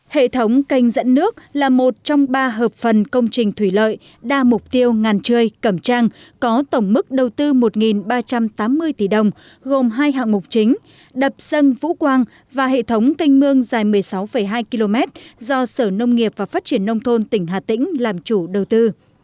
hệ thống canh dẫn nước là một trong ba hợp phần công trình thủy lợi đa mục tiêu ngàn trươi cẩm trang có tổng mức đầu tư một ba trăm tám mươi tỷ đồng gồm hai hạng mục chính đập sân vũ quang và hệ thống canh mương dài một mươi sáu hai km do sở nông nghiệp và phát triển nông thôn tỉnh hà tĩnh làm chủ đầu tư